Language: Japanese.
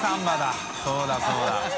そうだそうだ。